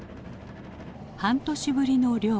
半年ぶりの漁。